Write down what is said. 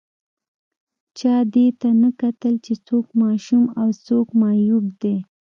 چا دې ته نه کتل چې څوک ماشوم او څوک معیوب دی